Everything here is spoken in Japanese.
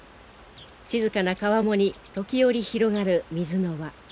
静かな川面に時折広がる水の輪。